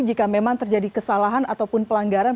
jika memang terjadi kesalahan ataupun pelanggaran